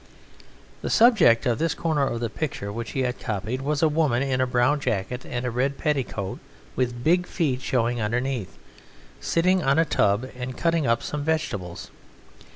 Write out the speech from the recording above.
The subject of this corner of the picture which he had copied was a woman in a brown jacket and a red petticoat with big feet showing underneath, sitting on a tub and cutting up some vegetables.